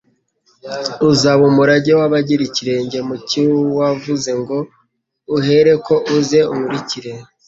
uzaba umurage w'abagera ikirenge mu cy'uwavuze ngo : «Uhereko uze unkurikire.»